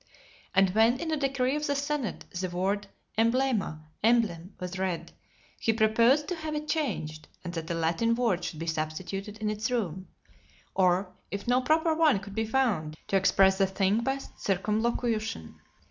And when, in a decree of the senate, the word emblaema (emblem) was read, he proposed to have it changed, and that a Latin word should be substituted in its room; or, if no proper one could be found, to express the thing by circumlocution.